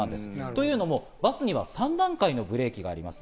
というのもバスには３段階でブレーキがあります。